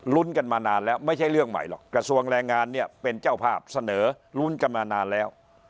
กันมานานแล้วไม่ใช่เรื่องใหม่หรอกกระทรวงแรงงานเนี่ยเป็นเจ้าภาพเสนอลุ้นกันมานานแล้ว